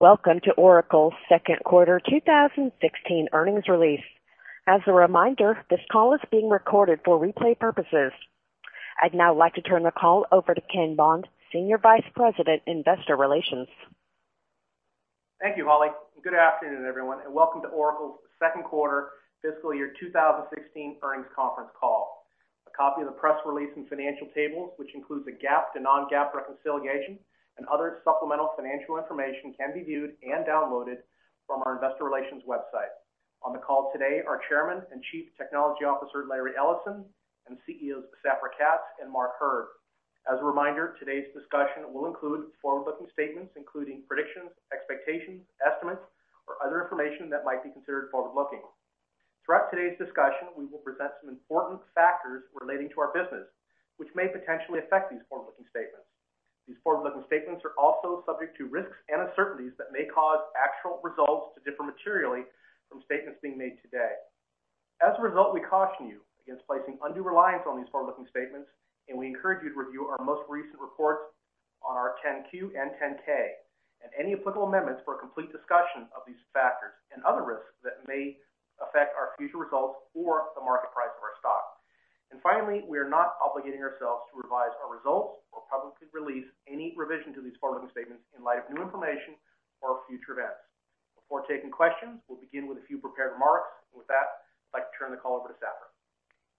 Welcome to Oracle's second quarter 2016 earnings release. As a reminder, this call is being recorded for replay purposes. I'd now like to turn the call over to Ken Bond, Senior Vice President, Investor Relations. Thank you, Holly, and good afternoon, everyone, and welcome to Oracle's second quarter fiscal year 2016 earnings conference call. A copy of the press release and financial tables, which includes a GAAP to non-GAAP reconciliation and other supplemental financial information, can be viewed and downloaded from our investor relations website. On the call today are Chairman and Chief Technology Officer, Larry Ellison, and CEOs, Safra Catz and Mark Hurd. As a reminder, today's discussion will include forward-looking statements, including predictions, expectations, estimates, or other information that might be considered forward-looking. Throughout today's discussion, we will present some important factors relating to our business, which may potentially affect these forward-looking statements. These forward-looking statements are also subject to risks and uncertainties that may cause actual results to differ materially from statements being made today. As a result, we caution you against placing undue reliance on these forward-looking statements, and we encourage you to review our most recent reports on our 10-Q and 10-K and any applicable amendments for a complete discussion of these factors and other risks that may affect our future results or the market price of our stock. Finally, we are not obligating ourselves to revise our results or publicly release any revision to these forward-looking statements in light of new information or future events. Before taking questions, we'll begin with a few prepared remarks. With that, I'd like to turn the call over to Safra.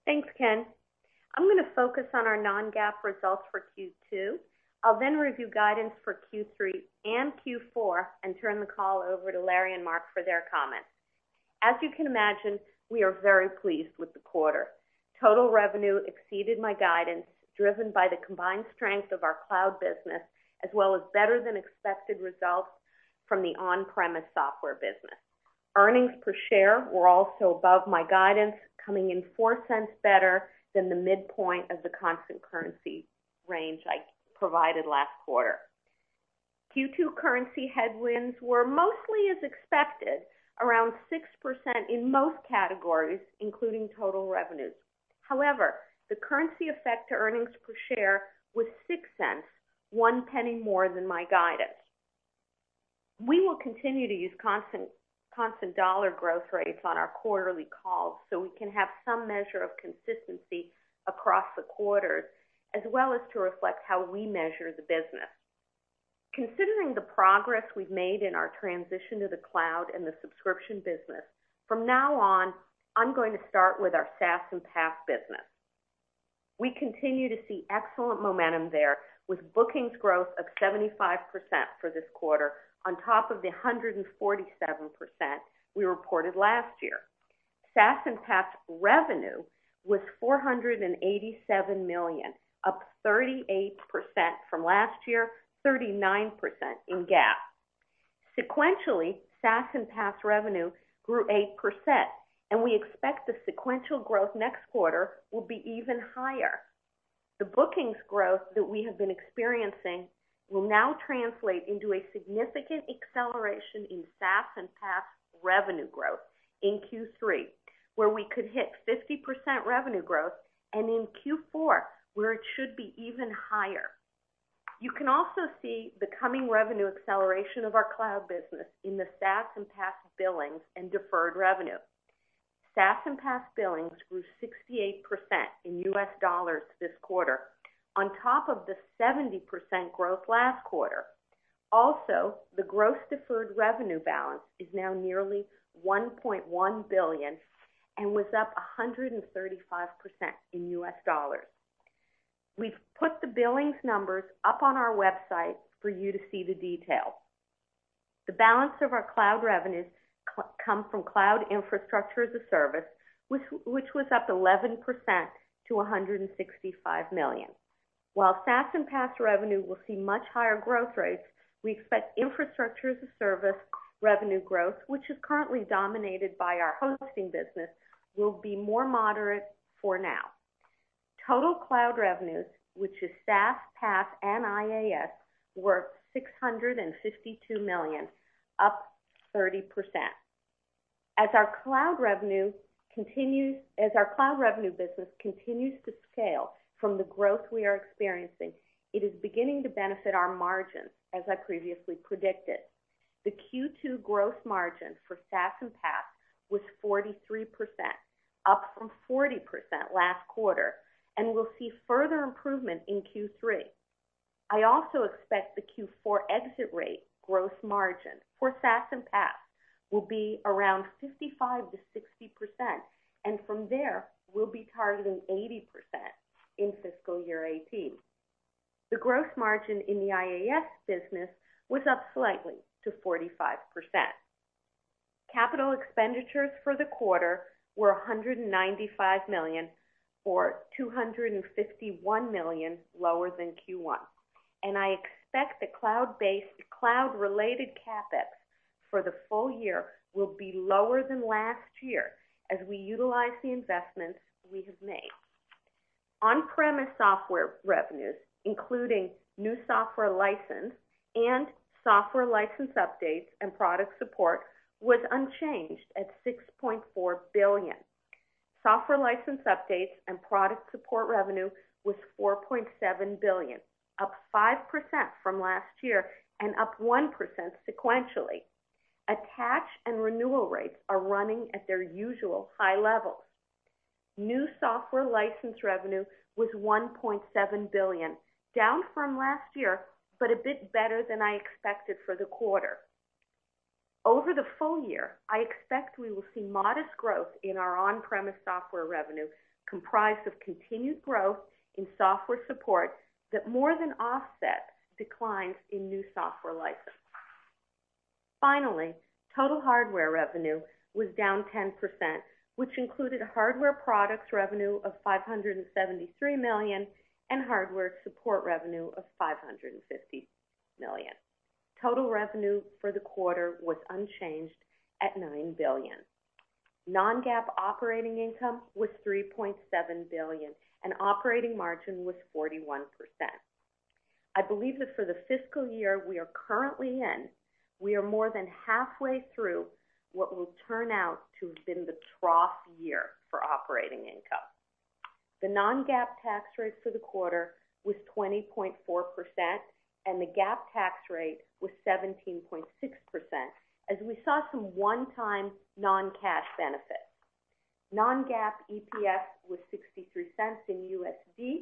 Thanks, Ken. I'm going to focus on our non-GAAP results for Q2. I'll then review guidance for Q3 and Q4 and turn the call over to Larry and Mark for their comments. As you can imagine, we are very pleased with the quarter. Total revenue exceeded my guidance, driven by the combined strength of our cloud business, as well as better than expected results from the on-premise software business. Earnings per share were also above my guidance, coming in $0.04 better than the midpoint of the constant currency range I provided last quarter. Q2 currency headwinds were mostly as expected, around 6% in most categories, including total revenues. However, the currency effect to earnings per share was $0.06, $0.01 more than my guidance. We will continue to use constant dollar growth rates on our quarterly calls so we can have some measure of consistency across the quarters, as well as to reflect how we measure the business. Considering the progress we've made in our transition to the cloud and the subscription business, from now on, I'm going to start with our SaaS and PaaS business. We continue to see excellent momentum there with bookings growth of 75% for this quarter on top of the 147% we reported last year. SaaS and PaaS revenue was $487 million, up 38% from last year, 39% in GAAP. Sequentially, SaaS and PaaS revenue grew 8%, and we expect the sequential growth next quarter will be even higher. The bookings growth that we have been experiencing will now translate into a significant acceleration in SaaS and PaaS revenue growth in Q3, where we could hit 50% revenue growth, and in Q4, where it should be even higher. You can also see the coming revenue acceleration of our cloud business in the SaaS and PaaS billings and deferred revenue. SaaS and PaaS billings grew 68% in U.S. dollars this quarter, on top of the 70% growth last quarter. Also, the gross deferred revenue balance is now nearly $1.1 billion and was up 135% in U.S. dollars. We've put the billings numbers up on our website for you to see the details. The balance of our cloud revenues come from cloud infrastructure as a service, which was up 11% to $165 million. While SaaS and PaaS revenue will see much higher growth rates, we expect infrastructure as a service revenue growth, which is currently dominated by our hosting business, will be more moderate for now. Total cloud revenues, which is SaaS, PaaS, and IaaS, were $652 million, up 30%. As our cloud revenue business continues to scale from the growth we are experiencing, it is beginning to benefit our margins, as I previously predicted. The Q2 gross margin for SaaS and PaaS was 43%, up from 40% last quarter, and we'll see further improvement in Q3. I also expect the Q4 exit rate gross margin for SaaS and PaaS will be around 55%-60%, and from there, we'll be targeting 80% in fiscal year 2018. The gross margin in the IaaS business was up slightly to 45%. Capital expenditures for the quarter were $195 million, or $251 million lower than Q1. I expect the cloud-related CapEx for the full year will be lower than last year as we utilize the investments we have made. On-premise software revenues, including new software license and software license updates and product support, was unchanged at $6.4 billion. Software license updates and product support revenue was $4.7 billion, up 5% from last year and up 1% sequentially. Attach and renewal rates are running at their usual high levels. New software license revenue was $1.7 billion, down from last year, but a bit better than I expected for the quarter. Over the full year, I expect we will see modest growth in our on-premise software revenue, comprised of continued growth in software support that more than offsets declines in new software license. Finally, total hardware revenue was down 10%, which included hardware products revenue of $573 million and hardware support revenue of $550 million. Total revenue for the quarter was unchanged at $9 billion. Non-GAAP operating income was $3.7 billion and operating margin was 41%. I believe that for the fiscal year we are currently in, we are more than halfway through what will turn out to have been the trough year for operating income. The non-GAAP tax rate for the quarter was 20.4% and the GAAP tax rate was 17.6%, as we saw some one-time non-cash benefits. Non-GAAP EPS was $0.63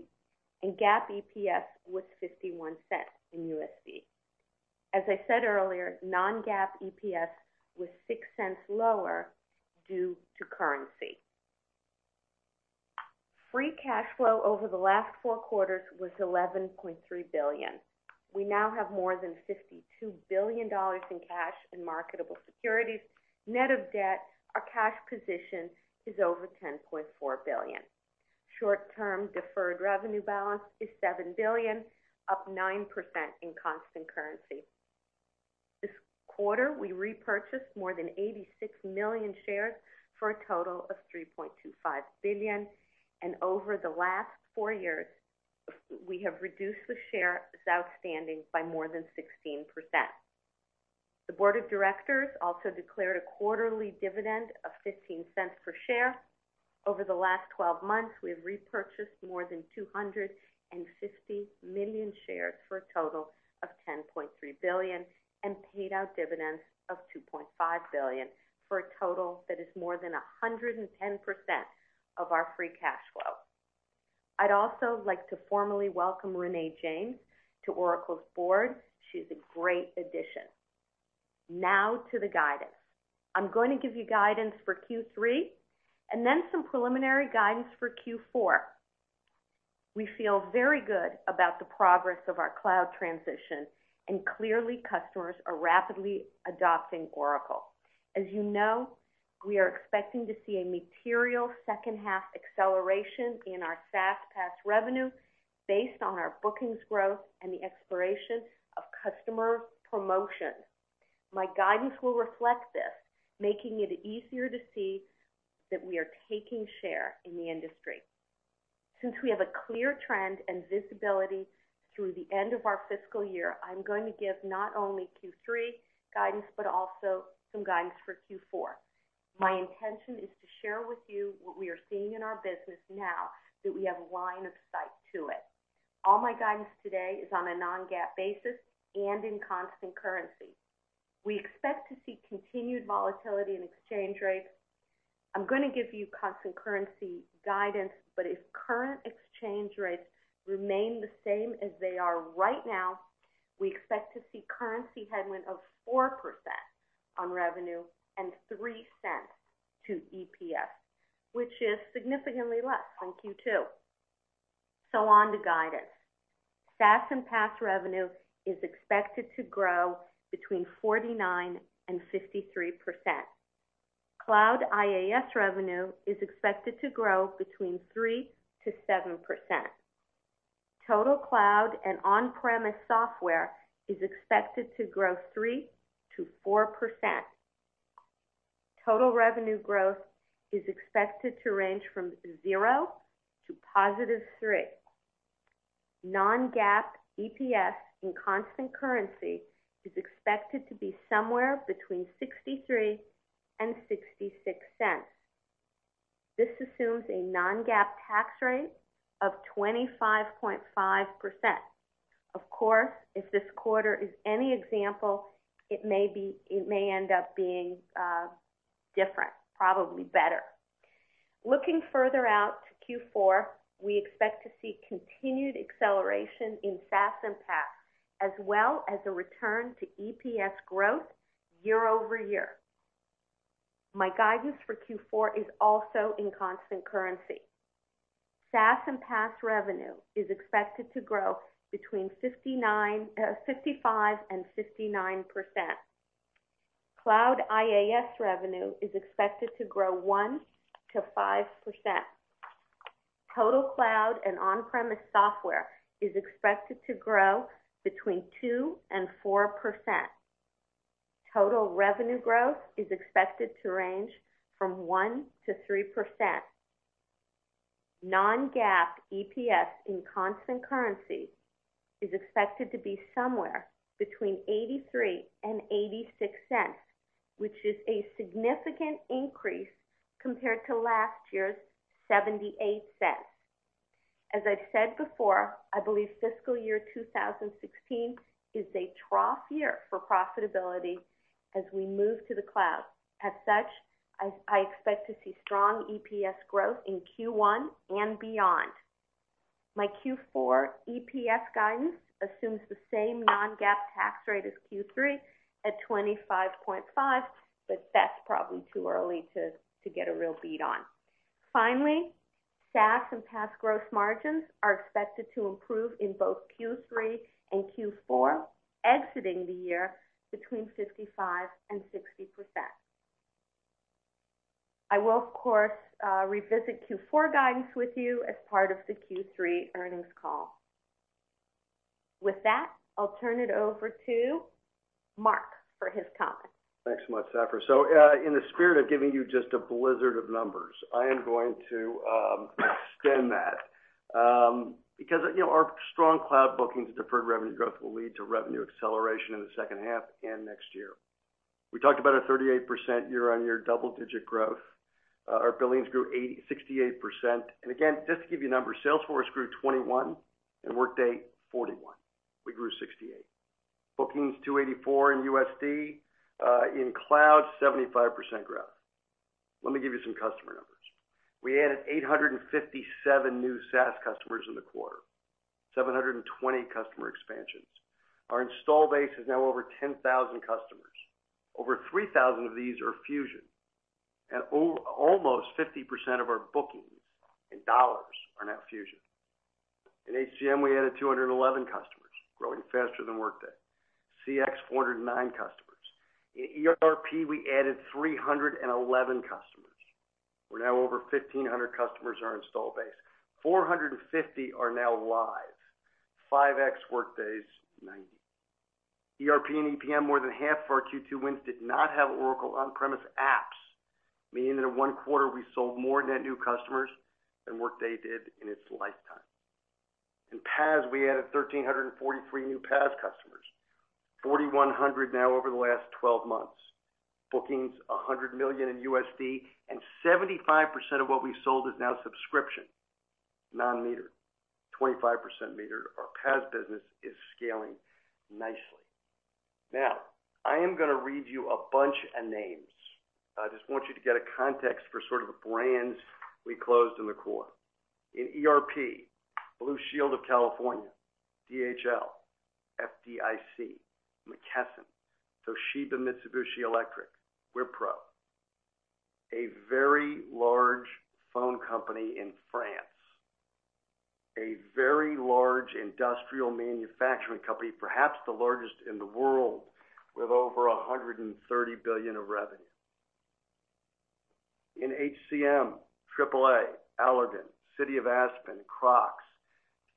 and GAAP EPS was $0.51. As I said earlier, non-GAAP EPS was $0.06 lower due to currency. Free cash flow over the last four quarters was $11.3 billion. We now have more than $52 billion in cash and marketable securities. Net of debt, our cash position is over $10.4 billion. Short-term deferred revenue balance is $7 billion, up 9% in constant currency. This quarter, we repurchased more than 86 million shares for a total of $3.25 billion. Over the last four years, we have reduced the shares outstanding by more than 16%. The board of directors also declared a quarterly dividend of $0.15 per share. Over the last 12 months, we have repurchased more than 250 million shares for a total of $10.3 billion and paid out dividends of $2.5 billion, for a total that is more than 110% of our free cash flow. I'd also like to formally welcome Renée James to Oracle's board. She's a great addition. To the guidance. I'm going to give you guidance for Q3 and then some preliminary guidance for Q4. We feel very good about the progress of our cloud transition. Clearly customers are rapidly adopting Oracle. As you know, we are expecting to see a material second half acceleration in our SaaS/PaaS revenue based on our bookings growth and the expiration of customer promotions. My guidance will reflect this, making it easier to see that we are taking share in the industry. Since we have a clear trend and visibility through the end of our fiscal year, I'm going to give not only Q3 guidance, but also some guidance for Q4. My intention is to share with you what we are seeing in our business now that we have line of sight to it. All my guidance today is on a non-GAAP basis and in constant currency. We expect to see continued volatility in exchange rates. I'm going to give you constant currency guidance, if current exchange rates remain the same as they are right now, we expect to see currency headwind of 4% on revenue and $0.03 to EPS, which is significantly less than Q2. On to guidance. SaaS and PaaS revenue is expected to grow between 49% and 53%. Cloud IaaS revenue is expected to grow between 3% to 7%. Total cloud and on-premise software is expected to grow 3% to 4%. Total revenue growth is expected to range from 0%-3%. Non-GAAP EPS in constant currency is expected to be somewhere between $0.63 and $0.66. This assumes a non-GAAP tax rate of 25.5%. If this quarter is any example, it may end up being different, probably better. Looking further out to Q4, we expect to see continued acceleration in SaaS and PaaS, as well as a return to EPS growth year-over-year. My guidance for Q4 is also in constant currency. SaaS and PaaS revenue is expected to grow between 55%-59%. Cloud IaaS revenue is expected to grow 1%-5%. Total cloud and on-premise software is expected to grow between 2%-4%. Total revenue growth is expected to range from 1%-3%. Non-GAAP EPS in constant currency is expected to be somewhere between $0.83 and $0.86, which is a significant increase compared to last year's $0.78. As I've said before, I believe fiscal year 2016 is a trough year for profitability as we move to the cloud. As such, I expect to see strong EPS growth in Q1 and beyond. My Q4 EPS guidance assumes the same non-GAAP tax rate as Q3 at 25.5%. That's probably too early to get a real bead on. Finally, SaaS and PaaS gross margins are expected to improve in both Q3 and Q4, exiting the year between 55%-60%. I will, of course, revisit Q4 guidance with you as part of the Q3 earnings call. With that, I'll turn it over to Mark for his comments. Thanks so much, Safra. In the spirit of giving you just a blizzard of numbers, I am going to extend that. Our strong cloud bookings and deferred revenue growth will lead to revenue acceleration in the second half and next year. We talked about a 38% year-on-year double-digit growth. Our billings grew 68%. Again, just to give you numbers, Salesforce grew 21% and Workday 41%. We grew 68%. Bookings, $284. In cloud, 75% growth. Let me give you some customer numbers. We added 857 new SaaS customers in the quarter, 720 customer expansions. Our install base is now over 10,000 customers. Over 3,000 of these are Fusion. Almost 50% of our bookings in dollars are now Fusion. In HCM, we added 211 customers, growing faster than Workday. CX, 409 customers. In ERP, we added 311 customers. We're now over 1,500 customers in our install base. 450 are now live. 5X Workday's 90. ERP and EPM, more than half of our Q2 wins did not have Oracle on-premise apps, meaning that in one quarter we sold more net new customers than Workday did in its lifetime. In PaaS, we added 1,343 new PaaS customers, 4,100 now over the last 12 months. Bookings, $100 million. 75% of what we sold is now subscription, non-metered. 25% metered. Our PaaS business is scaling nicely. I am going to read you a bunch of names. I just want you to get a context for sort of the brands we closed in the quarter. In ERP, Blue Shield of California, DHL, FDIC, McKesson, Toshiba, Mitsubishi Electric, Wipro. A very large phone company in France. A very large industrial manufacturing company, perhaps the largest in the world, with over $130 billion of revenue. In HCM, AAA, Allergan, City of Aspen, Crocs.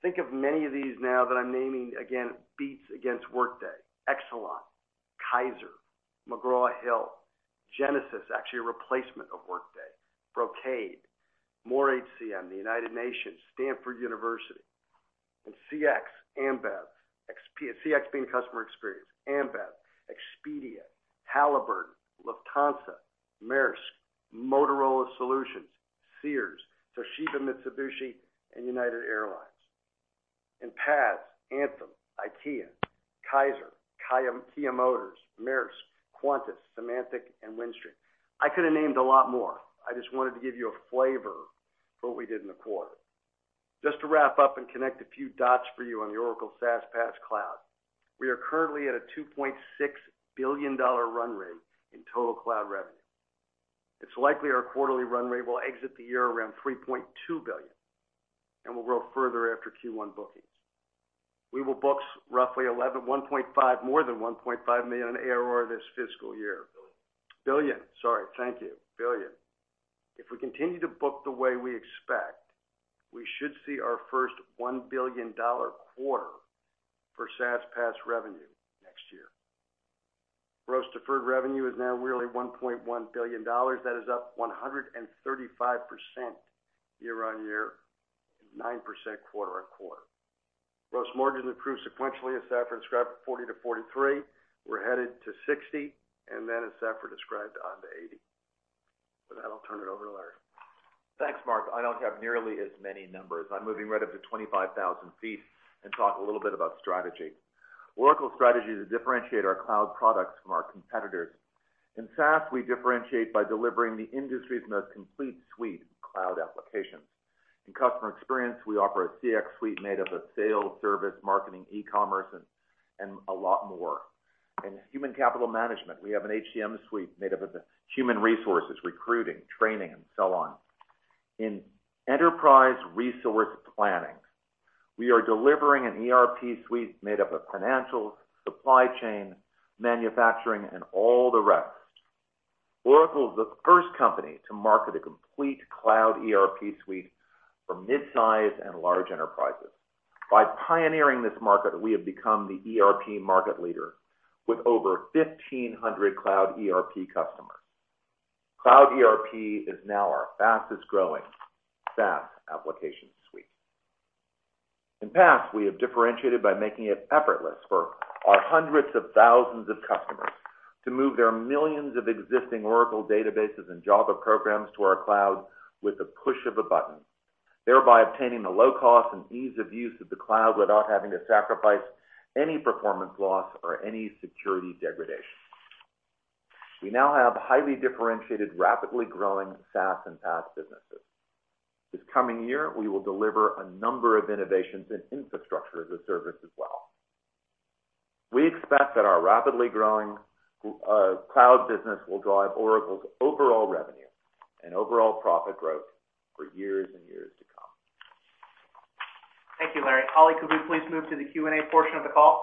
Think of many of these now that I'm naming again, beats against Workday. Exelon, Kaiser, McGraw Hill, Genesis, actually a replacement of Workday. Brocade, more HCM, the United Nations, Stanford University. In CX, Ambev. CX being customer experience. Ambev, Expedia, Halliburton, Lufthansa, Maersk, Motorola Solutions, Sears, Toshiba, Mitsubishi, and United Airlines. In PaaS, Anthem, IKEA, Kaiser, Kia Motors, Maersk, Qantas, Symantec, and Windstream. I could have named a lot more. I just wanted to give you a flavor for what we did in the quarter. Just to wrap up and connect a few dots for you on the Oracle SaaS PaaS cloud, we are currently at a $2.6 billion run rate in total cloud revenue. It's likely our quarterly run rate will exit the year around $3.2 billion, and will grow further after Q1 bookings. We will book roughly more than $1.5 billion ARR this fiscal year. Billion. Billion. Sorry. Thank you. Billion. If we continue to book the way we expect, we should see our first $1 billion quarter for SaaS PaaS revenue next year. Gross deferred revenue is now really $1.1 billion. That is up 135% year-on-year and 9% quarter-on-quarter. Gross margin improved sequentially, as Safra described, from 40% to 43%. We're headed to 60%, and then as Safra described, on to 80%. With that, I'll turn it over to Larry. Thanks, Mark. I don't have nearly as many numbers. I'm moving right up to 25,000 feet and talk a little bit about strategy. Oracle's strategy to differentiate our cloud products from our competitors. In SaaS, we differentiate by delivering the industry's most complete suite of cloud applications. In customer experience, we offer a CX suite made up of sales, service, marketing, e-commerce, and a lot more. In human capital management, we have an HCM suite made up of human resources, recruiting, training, and so on. In enterprise resource planning, we are delivering an ERP suite made up of financial, supply chain, manufacturing, and all the rest. Oracle is the first company to market a complete cloud ERP suite for midsize and large enterprises. By pioneering this market, we have become the ERP market leader with over 1,500 cloud ERP customers. Cloud ERP is now our fastest-growing SaaS application suite. In the past, we have differentiated by making it effortless for our hundreds of thousands of customers to move their millions of existing Oracle Database and Java programs to our cloud with the push of a button, thereby obtaining the low cost and ease of use of the cloud without having to sacrifice any performance loss or any security degradation. We now have highly differentiated, rapidly growing SaaS and PaaS businesses. This coming year, we will deliver a number of innovations in Infrastructure as a Service as well. We expect that our rapidly growing cloud business will drive Oracle's overall revenue and overall profit growth for years and years to come. Thank you, Larry. Holly, could we please move to the Q&A portion of the call?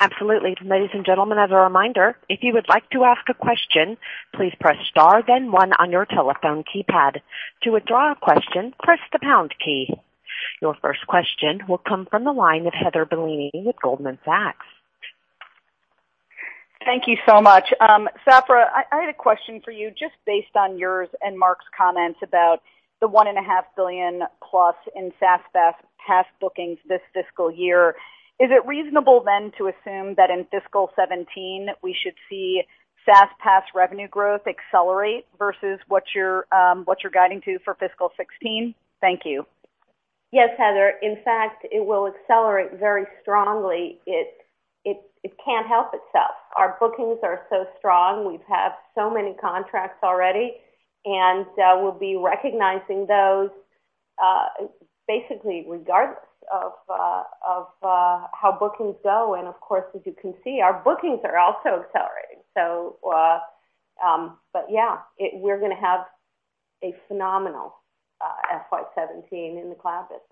Absolutely. Ladies and gentlemen, as a reminder, if you would like to ask a question, please press star, then one on your telephone keypad. To withdraw a question, press the pound key. Your first question will come from the line of Heather Bellini with Goldman Sachs. Thank you so much. Safra, I had a question for you, just based on yours and Mark's comments about the $1.5 billion plus in SaaS, PaaS bookings this fiscal year. Is it reasonable to assume that in fiscal 2017, we should see SaaS, PaaS revenue growth accelerate versus what you're guiding to for fiscal 2016? Thank you. Yes, Heather. In fact, it will accelerate very strongly. It can't help itself. Our bookings are so strong. We have so many contracts already, we'll be recognizing those basically regardless of how bookings go. Of course, as you can see, our bookings are also accelerating. Yeah, we're going to have a phenomenal FY 2017 in the cloud business.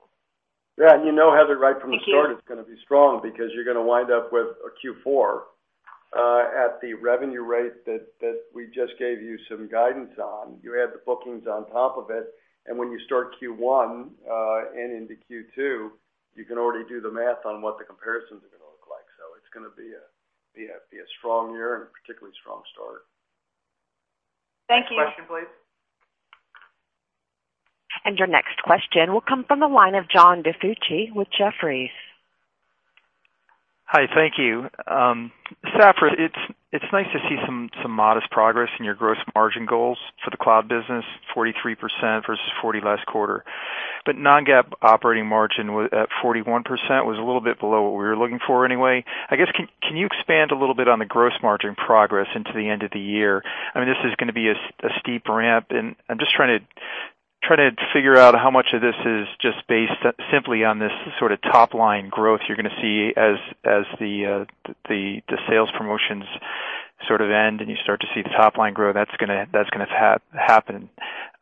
Yeah. You know, Heather, right from the start, it's going to be strong because you're going to wind up with a Q4 at the revenue rate that we just gave you some guidance on. You add the bookings on top of it, when you start Q1 and into Q2, you can already do the math on what the comparisons are going to look like. It's going to be a strong year and a particularly strong start. Thank you. Next question, please. Your next question will come from the line of John DiFucci with Jefferies. Hi, thank you. Safra, it's nice to see some modest progress in your gross margin goals for the cloud business, 43% versus 40% last quarter. non-GAAP operating margin at 41% was a little bit below what we were looking for anyway. I guess, can you expand a little bit on the gross margin progress into the end of the year? This is going to be a steep ramp, I'm just trying to figure out how much of this is just based simply on this sort of top-line growth you're going to see as the sales promotions sort of end, you start to see the top line grow. That's going to happen.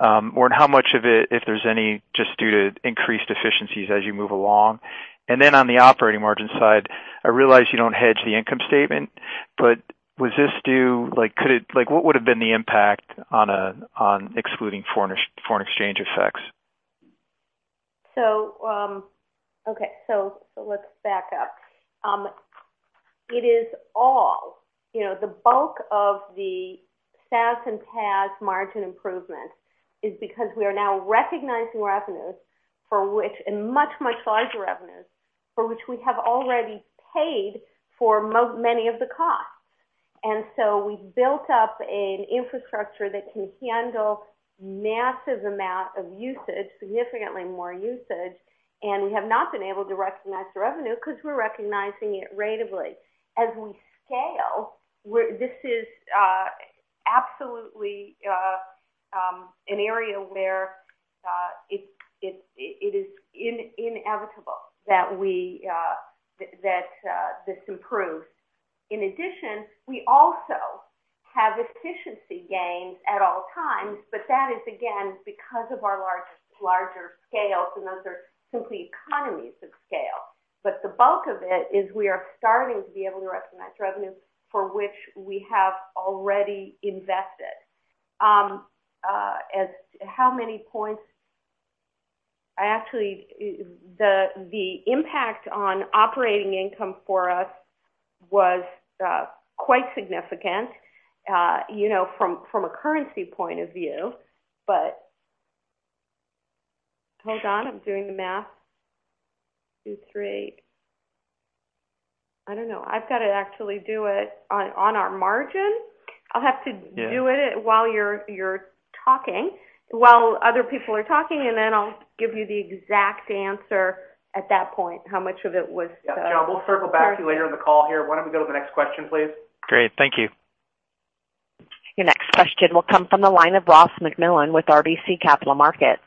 How much of it, if there's any, just due to increased efficiencies as you move along? On the operating margin side, I realize you don't hedge the income statement, but what would have been the impact on excluding foreign exchange effects? Okay. Let's back up. The bulk of the SaaS and PaaS margin improvement is because we are now recognizing revenues, and much, much larger revenues, for which we have already paid for many of the costs. We've built up an infrastructure that can handle massive amount of usage, significantly more usage, and we have not been able to recognize the revenue because we're recognizing it ratably. As we scale, this is absolutely an area where it is inevitable that this improves. In addition, we also have efficiency gains at all times, but that is, again, because of our larger scales, and those are simply economies of scale. The bulk of it is we are starting to be able to recognize revenues for which we have already invested. As how many points? Actually, the impact on operating income for us was quite significant from a currency point of view. Hold on, I'm doing the math. Two, three. I don't know. I've got to actually do it on our margin. I'll have to do it while you're talking, while other people are talking, and then I'll give you the exact answer at that point, how much of it was. Yeah. John, we'll circle back to you later in the call here. Why don't we go to the next question, please? Great. Thank you. Your next question will come from the line of Ross MacMillan with RBC Capital Markets.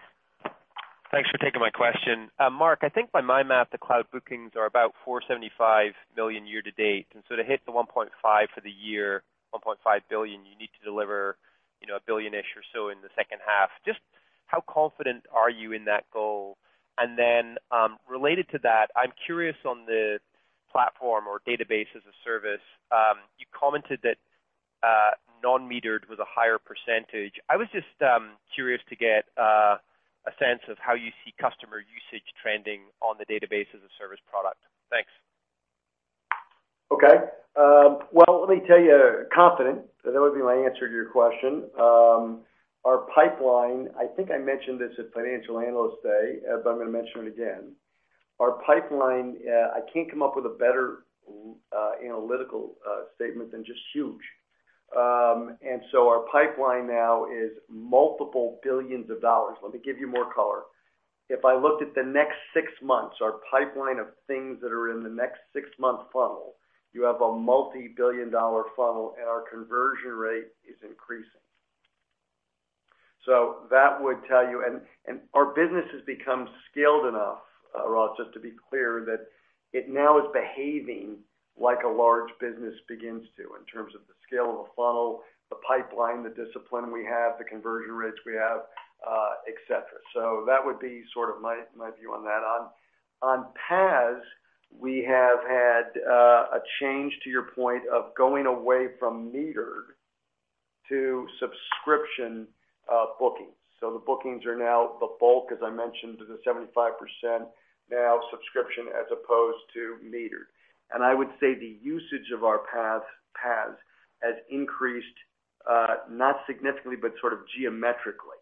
Thanks for taking my question. Mark, I think by my math, the cloud bookings are about $475 million year-to-date. So to hit the 1.5 for the year, $1.5 billion, you need to deliver a billion-ish or so in the second half. Just how confident are you in that goal? Then related to that, I'm curious on the platform or Database as a Service. You commented that non-metered with a higher percentage. I was just curious to get a sense of how you see customer usage trending on the Database as a Service product. Thanks. Okay. Well, let me tell you, confident, that would be my answer to your question. Our pipeline, I think I mentioned this at Financial Analyst Day, but I'm going to mention it again. Our pipeline, I can't come up with a better analytical statement than just huge. Our pipeline now is $multiple billions. Let me give you more color. If I looked at the next six months, our pipeline of things that are in the next six-month funnel, you have a $multi-billion funnel, our conversion rate is increasing. Our business has become scaled enough, Ross, just to be clear, that it now is behaving like a large business begins to, in terms of the scale of the funnel, the pipeline, the discipline we have, the conversion rates we have, et cetera. That would be sort of my view on that. On PaaS, we have had a change, to your point, of going away from metered to subscription bookings. The bookings are now the bulk, as I mentioned, is a 75% now subscription as opposed to metered. I would say the usage of our PaaS has increased, not significantly, but sort of geometrically,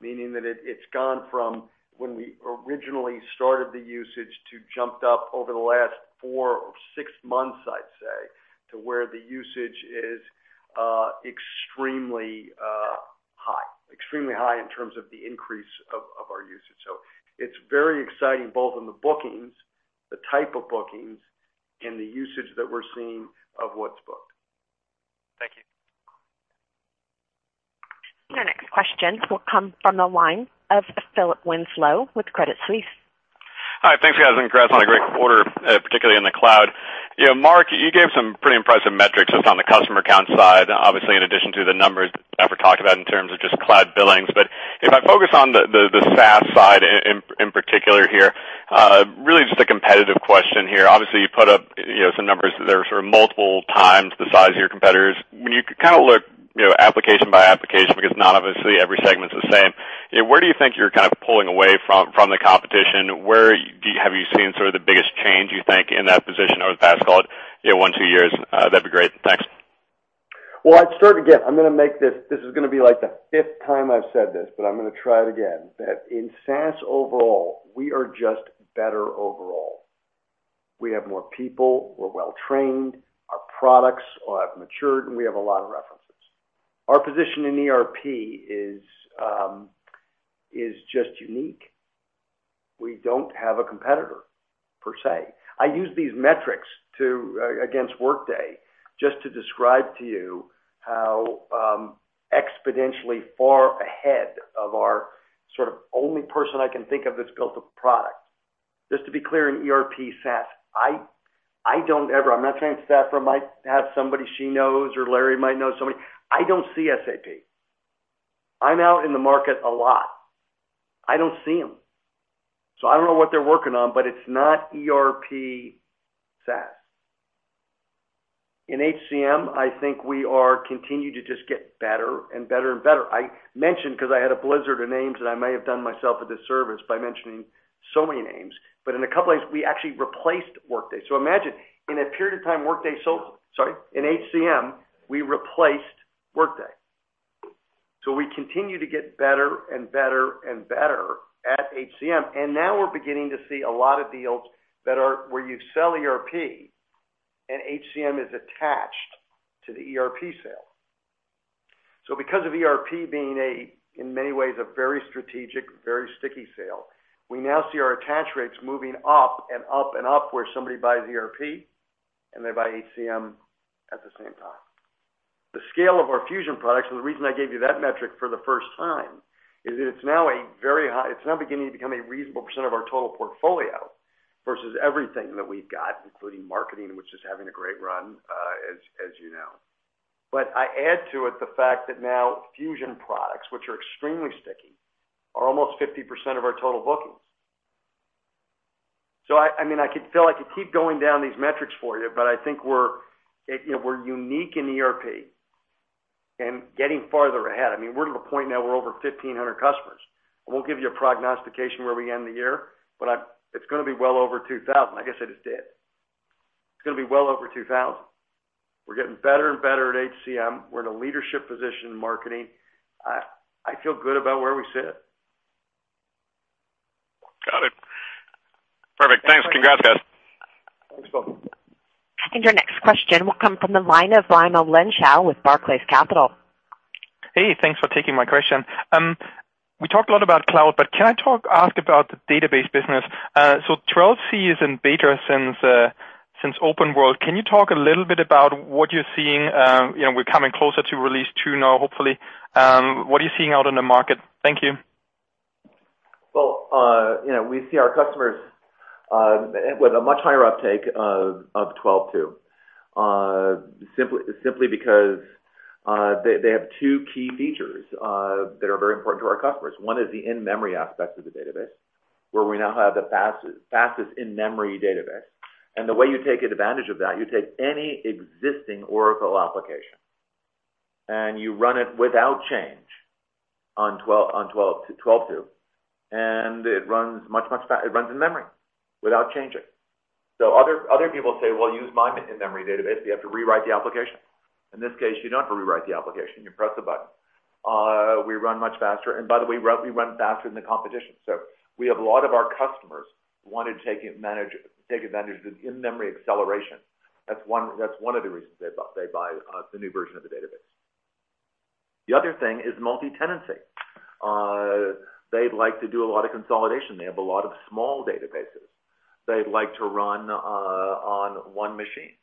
meaning that it's gone from when we originally started the usage to jumped up over the last four or six months, I'd say, to where the usage is extremely high. Extremely high in terms of the increase of our usage. It's very exciting, both in the bookings, the type of bookings, and the usage that we're seeing of what's booked. Thank you. Our next question will come from the line of Philip Winslow with Credit Suisse. Hi. Thanks guys, and congrats on a great quarter, particularly in the cloud. Mark, you gave some pretty impressive metrics just on the customer count side, obviously in addition to the numbers that were talked about in terms of just cloud billings. If I focus on the SaaS side in particular here, really just a competitive question here. You put up some numbers that are multiple times the size of your competitors. When you look application by application, because not obviously every segment's the same, where do you think you're pulling away from the competition? Where have you seen the biggest change, you think, in that position over the past, call it, one, two years? That'd be great. Thanks. I'd start again. This is going to be, like, the fifth time I've said this, I'm going to try it again. That in SaaS overall, we are just better overall. We have more people. We're well-trained. Our products have matured, and we have a lot of references. Our position in ERP is just unique. We don't have a competitor, per se. I use these metrics against Workday just to describe to you how exponentially far ahead of our only person I can think of that's built a product. Just to be clear, in ERP SaaS, I'm not saying Safra might have somebody she knows, or Larry might know somebody. I don't see SAP. I'm out in the market a lot. I don't see them. I don't know what they're working on, but it's not ERP SaaS. In HCM, I think we are continuing to just get better and better and better. I mentioned, because I had a blizzard of names, and I may have done myself a disservice by mentioning so many names, in a couple of ways, we actually replaced Workday. Imagine, in a period of time, Sorry, in HCM, we replaced Workday. We continue to get better and better and better at HCM, and now we're beginning to see a lot of deals that are where you sell ERP, and HCM is attached to the ERP sale. Because of ERP being, in many ways, a very strategic, very sticky sale, we now see our attach rates moving up and up and up, where somebody buys ERP, and they buy HCM at the same time. The scale of our Fusion products, the reason I gave you that metric for the first time, is that it's now beginning to become a reasonable percent of our total portfolio versus everything that we've got, including marketing, which is having a great run, as you know. I add to it the fact that now Fusion products, which are extremely sticky, are almost 50% of our total bookings. I feel I could keep going down these metrics for you, but I think we're unique in ERP and getting farther ahead. We're at a point now we're over 1,500 customers. I won't give you a prognostication where we end the year, but it's going to be well over 2,000. I guess I just did. It's going to be well over 2,000. We're getting better and better at HCM. We're in a leadership position in marketing. I feel good about where we sit. Got it. Perfect. Thanks. Congrats, guys. Thanks, Phil. Your next question will come from the line of Raimo Lenschow with Barclays Capital. Hey, thanks for taking my question. We talked a lot about cloud, but can I ask about the database business? 12c is in beta since Oracle OpenWorld. Can you talk a little bit about what you're seeing? We're coming closer to release 2 now, hopefully. What are you seeing out in the market? Thank you. Well, we see our customers with a much higher uptake of Oracle Database 12.2, simply because they have two key features that are very important to our customers. One is the in-memory aspect of the database. Where we now have the fastest in-memory database. The way you take advantage of that, you take any existing Oracle application, and you run it without change on Oracle Database 12.2, and it runs much faster. It runs in memory without changing. Other people say, "Well, use my in-memory database." You have to rewrite the application. In this case, you don't have to rewrite the application. You press a button. We run much faster, and by the way, we run faster than the competition. We have a lot of our customers who want to take advantage of in-memory acceleration. That's one of the reasons they buy the new version of the database. The other thing is multi-tenancy. They like to do a lot of consolidation. They have a lot of small databases. They like to run on one machine.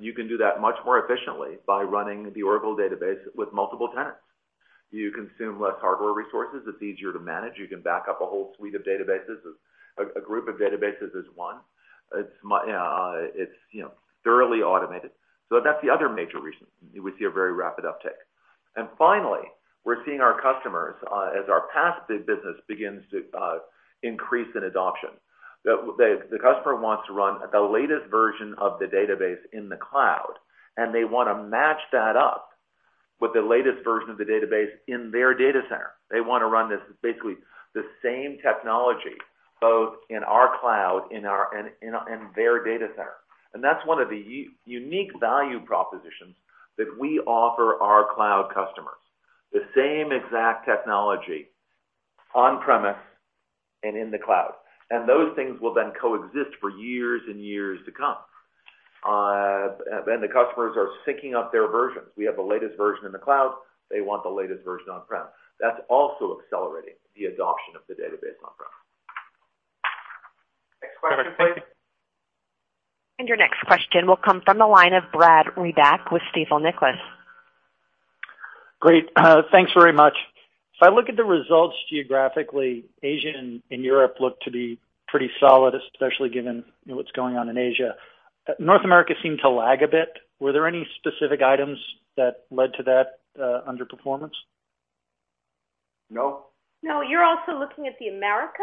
You can do that much more efficiently by running the Oracle Database with multiple tenants. You consume less hardware resources. It's easier to manage. You can back up a whole suite of databases. A group of databases is one. It is thoroughly automated. That is the other major reason we see a very rapid uptake. Finally, we are seeing our customers, as our PaaS business begins to increase in adoption, the customer wants to run the latest version of the database in the cloud, and they want to match that up with the latest version of the database in their data center. They want to run this basically the same technology both in our cloud and their data center. That is one of the unique value propositions that we offer our cloud customers. The same exact technology on-premise and in the cloud. Those things will then coexist for years and years to come. The customers are syncing up their versions. We have the latest version in the cloud. They want the latest version on-prem. That is also accelerating the adoption of the database on-prem. Next question, please. Your next question will come from the line of Brad Reback with Stifel Nicolaus. Great. Thanks very much. If I look at the results geographically, Asia and Europe look to be pretty solid, especially given what's going on in Asia. North America seemed to lag a bit. Were there any specific items that led to that underperformance? No. No, you're also looking at the Americas.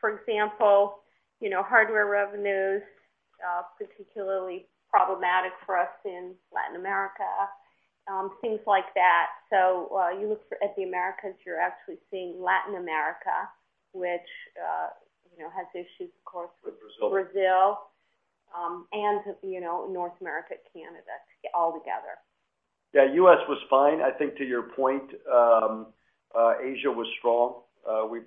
For example, hardware revenues, particularly problematic for us in Latin America, things like that. You look at the Americas, you're actually seeing Latin America, which has issues, of course- With Brazil Brazil, North America, Canada, all together. Yeah, U.S. was fine. To your point, Asia was strong. We've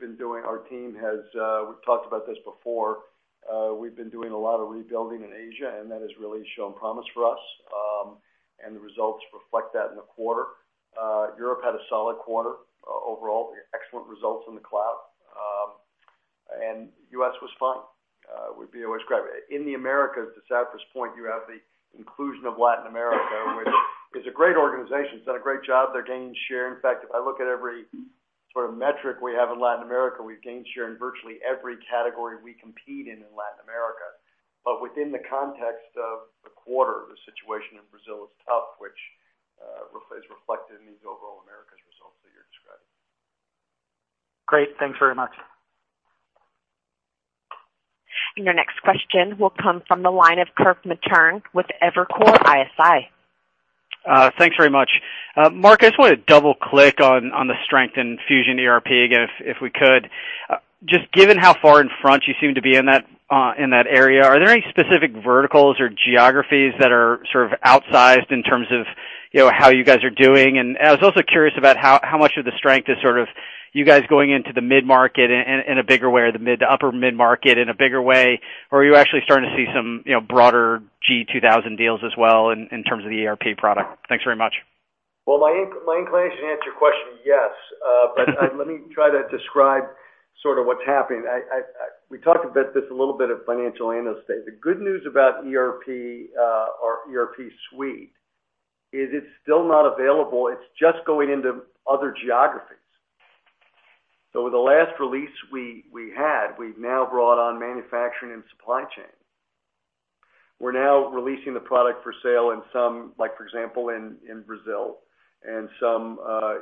talked about this before. We've been doing a lot of rebuilding in Asia, and that has really shown promise for us. The results reflect that in the quarter. Europe had a solid quarter overall. Excellent results in the cloud. U.S. was fine. In the Americas, to Safra's point, you have the inclusion of Latin America, which is a great organization. It's done a great job. They're gaining share. In fact, if I look at every sort of metric we have in Latin America, we've gained share in virtually every category we compete in Latin America. Within the context of the quarter, the situation in Brazil is tough, which is reflected in these overall Americas results that you're describing. Great. Thanks very much. Your next question will come from the line of Kirk Materne with Evercore ISI. Thanks very much. Mark, I just want to double-click on the strength in Fusion ERP again, if we could. Given how far in front you seem to be in that area, are there any specific verticals or geographies that are sort of outsized in terms of how you guys are doing? I was also curious about how much of the strength is sort of you guys going into the mid-market in a bigger way, or the upper mid-market in a bigger way, or are you actually starting to see some broader G2000 deals as well in terms of the ERP product? Thanks very much. Well, my inclination to answer your question, yes. Let me try to describe sort of what's happening. We talked about this a little bit at Financial Analyst Day. The good news about ERP or ERP suite is it's still not available. It's just going into other geographies. The last release we had, we've now brought on manufacturing and supply chain. We're now releasing the product for sale in some, like for example, in Brazil and some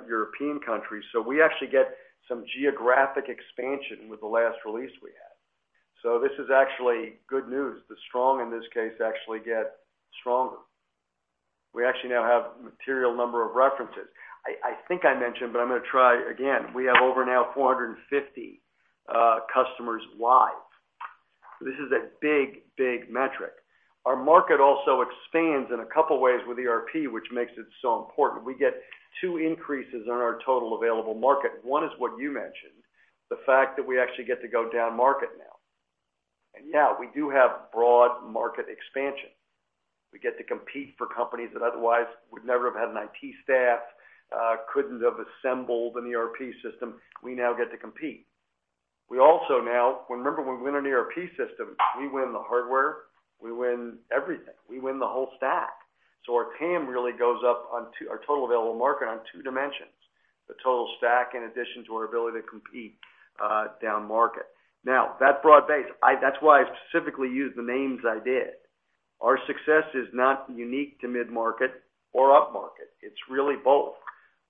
European countries. We actually get some geographic expansion with the last release we had. This is actually good news. The strong in this case actually get stronger. We actually now have a material number of references. I think I mentioned, but I'm going to try again. We have over now 450 customers live. This is a big metric. Our market also expands in a couple of ways with ERP, which makes it so important. We get two increases in our total available market. One is what you mentioned, the fact that we actually get to go down market now. Yeah, we do have broad market expansion. We get to compete for companies that otherwise would never have had an IT staff, couldn't have assembled an ERP system. We now get to compete. Remember, when we win an ERP system, we win the hardware, we win everything. We win the whole stack. Our TAM really goes up, our total available market, on two dimensions, the total stack in addition to our ability to compete down market. Now, that's broad-based. That's why I specifically used the names I did. Our success is not unique to mid-market or upmarket. It's really both.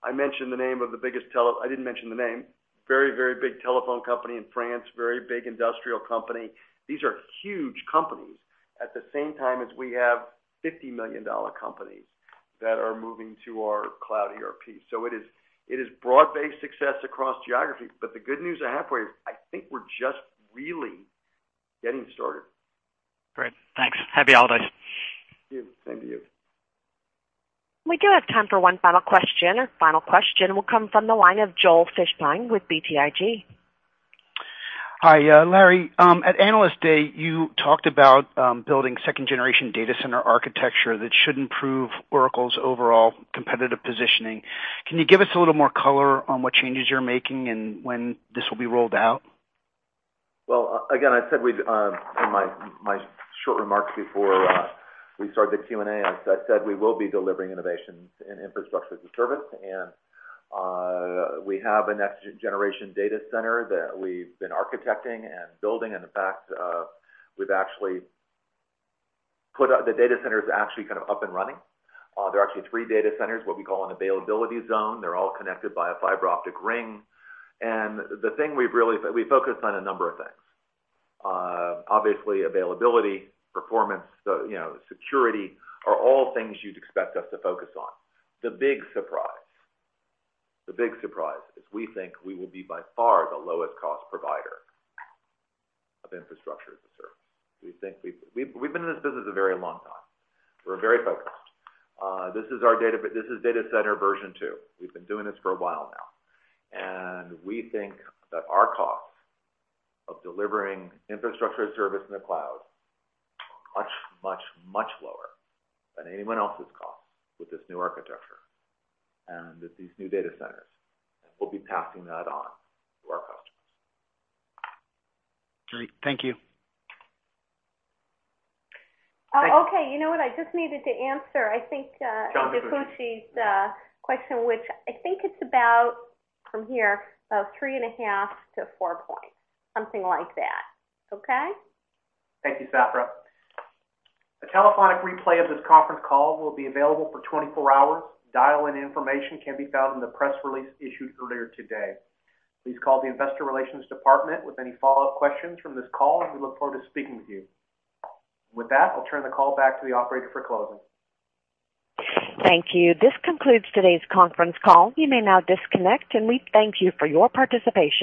I mentioned the name of the biggest. I didn't mention the name. Very, very big telephone company in France, very big industrial company. These are huge companies. At the same time as we have $50 million companies that are moving to our cloud ERP. It is broad-based success across geographies. The good news I have for you, I think we're just really getting started. Great. Thanks. Happy holidays. Thank you. Same to you. We do have time for one final question. Our final question will come from the line of Joel Fishbein with BTIG. Hi, Larry. At Analyst Day, you talked about building second-generation data center architecture that should improve Oracle's overall competitive positioning. Can you give us a little more color on what changes you're making and when this will be rolled out? Well, again, I said in my short remarks before we started the Q&A, I said we will be delivering innovations in infrastructure as a service. We have a next generation data center that we've been architecting and building, and in fact, the data center is actually kind of up and running. There are actually three data centers, what we call an availability zone. They're all connected by a fiber optic ring. We focus on a number of things. Obviously, availability, performance, security are all things you'd expect us to focus on. The big surprise is we think we will be by far the lowest cost provider of infrastructure as a service. We've been in this business a very long time. We're very focused. This is data center version two. We've been doing this for a while now, and we think that our costs of delivering Infrastructure as a Service in the cloud are much, much, much lower than anyone else's costs with this new architecture and with these new data centers, and we'll be passing that on to our customers. Great. Thank you. Okay. You know what? I just needed to answer. John DiFucci DiFucci's question, which I think it's about, from here, about three and a half to four points, something like that. Okay? Thank you, Safra. A telephonic replay of this conference call will be available for 24 hours. Dial-in information can be found in the press release issued earlier today. Please call the investor relations department with any follow-up questions from this call, and we look forward to speaking with you. With that, I'll turn the call back to the operator for closing. Thank you. This concludes today's conference call. You may now disconnect, and we thank you for your participation.